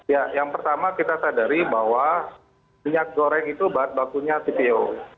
ya yang pertama kita sadari bahwa minyak goreng itu bahan bakunya cpo